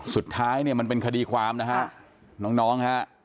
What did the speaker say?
สุดท้ายเนี่ยมันเป็นคดีความนะฮะน้องฮะ